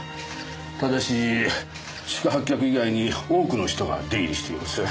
ただし宿泊客以外に多くの人が出入りしています。